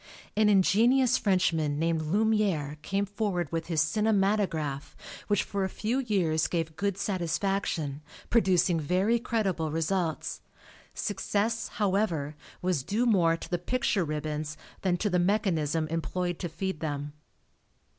An ingenious Frenchman named Lumiere, came forward with his Cinematographe which for a few years gave good satisfaction, producing very creditable results. Success, however, was due more to the picture ribbons than to the mechanism employed to feed them.